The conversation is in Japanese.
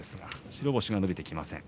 白星が伸びてきません。